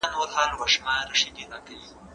مطالعې ته وخت ورکول د علمي پرمختګ سبب دی.